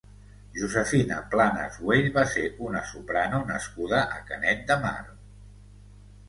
Josefina Planas Güell va ser una soprano nascuda a Canet de Mar.